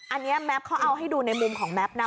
อันนี้แม็ปเขาเอาให้ดูในมุมของแม็ปนะ